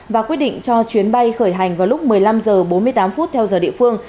và quyết định cho chuyến bay khởi hành vào lúc một mươi năm h bốn mươi tám theo giờ địa phương